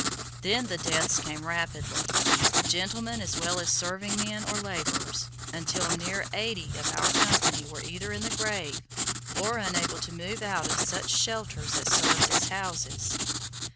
Then the deaths came rapidly, gentlemen as well as serving men or laborers, until near eighty of our company were either in the grave, or unable to move out of such shelters as served as houses.